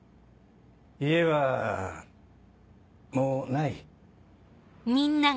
家はもうない。